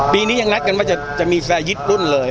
ปีนี้ยังนัดกันว่าจะมีแฟร์ยึดรุ่นเลย